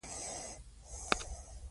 پرنګیانو د افغان غازیانو مقابله نسو کولای.